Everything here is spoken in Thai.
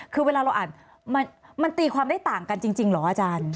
คือเวลาเราอ่านมันตีความได้ต่างกันจริงเหรออาจารย์